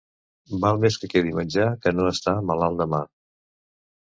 Val més que quedi menjar que no estar malalt demà.